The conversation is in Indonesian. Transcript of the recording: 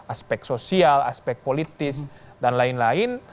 aspek sosial aspek politis dan lain lain